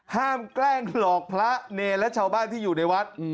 แกล้งหลอกพระเนรและชาวบ้านที่อยู่ในวัด